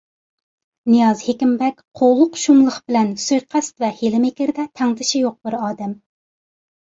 نىياز ھېكىمبەگ قۇۋلۇق، شۇملۇق بىلەن سۇيىقەست ۋە ھىيلە مىكىردە تەڭدىشى يوق بىر ئادەم.